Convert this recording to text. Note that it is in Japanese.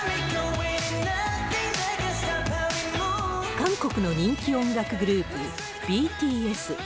韓国の人気音楽グループ、ＢＴＳ。